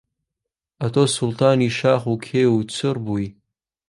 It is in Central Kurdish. ئەتۆ سوڵتانی شاخ و کێو و چڕ بووی